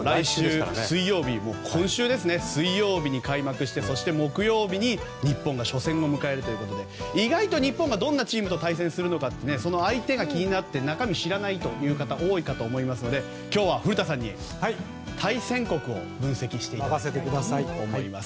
もう今週、水曜日に開幕してそして木曜日に日本が初戦を迎えるということで意外と日本がどんなチームと対戦するのか相手が気になって中身知らないという方が多いかと思いますので今日は古田さんに対戦国を分析していただきます。